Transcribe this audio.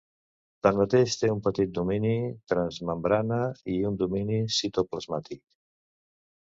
Tanmateix, té un petit domini transmembrana i un domini citoplasmàtic.